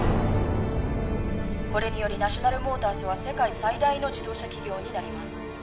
これによりナショナルモータースは世界最大の自動車企業になります